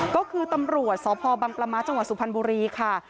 ก็คือตำรวจสบังประมาศจสุพรรณบุรีค่ะ